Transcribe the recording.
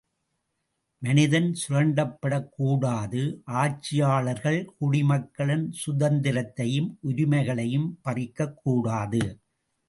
மனிதன் சுரண்டப்படக் கூடாது ஆட்சியாளர்கள் குடிமக்களின் சுதந்திரத்தையும் உரிமைகளையும் பறிக்கக்கூடாது.